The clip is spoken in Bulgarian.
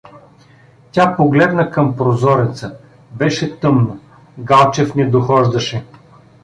Тя погледна към прозореца — беше тъмно, Галчев не дохождаше.